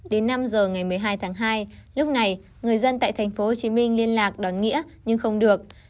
đến năm giờ ngày một mươi hai tháng hai lúc này người dân tại tp hcm liên lạc đón nghĩa nhưng không được